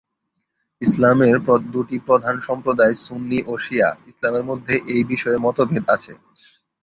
ইসলামের দুটি প্রধান সম্প্রদায় সুন্নি ও শিয়া ইসলামের মধ্যে এই বিষয়ে মতভেদ আছে।